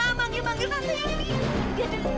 manggil manggil tante ya